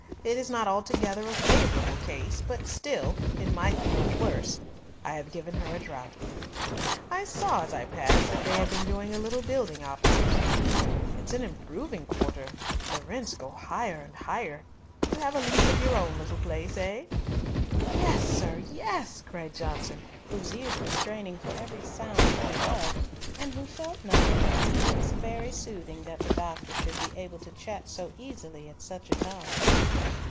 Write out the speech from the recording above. It is not altogether a favourable case, but still it might be much worse. I have given her a draught. I saw as I passed that they have been doing a little building opposite to you. It's an improving quarter. The rents go higher and higher. You have a lease of your own little place, eh?" "Yes, sir, yes!" cried Johnson, whose ears were straining for every sound from above, and who felt none the less that it was very soothing that the doctor should be able to chat so easily at such a time.